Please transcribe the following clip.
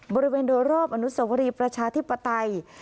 บริเวณโดยรอบอนุสวรีประชาธิปไตย